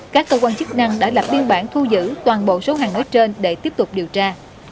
các cơ quan chức năng đã lập biên bản thu giữ toàn bộ số hàng nói trên để tiếp tục điều tra